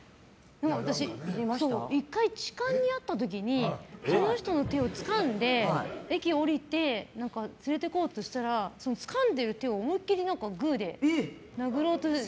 私、１回痴漢に遭った時にその人の手をつかんで駅降りて、連れていこうとしたらつかんでる手を思い切り、グーで殴ろうと。